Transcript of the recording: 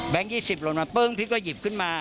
แบงก์๒๐หล่นมาเ฽ิิงพี่ก็หยิบขึ้นมา